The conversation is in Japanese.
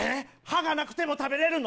歯がなくても食べれるの？